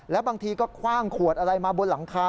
แล้วบางทีก็คว่างขวดอะไรมาบนหลังคา